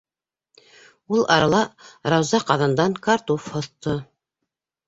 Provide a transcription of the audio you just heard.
Ул арала Рауза ҡаҙандан картуф һоҫто.